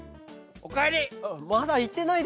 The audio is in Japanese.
おかえり。